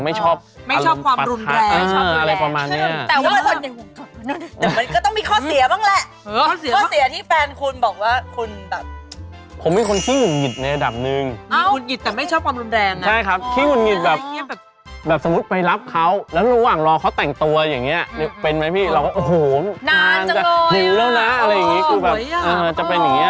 ไม่ชอบอารมณ์ปรัฐาไม่ชอบความรุนแรงอะไรประมาณนี้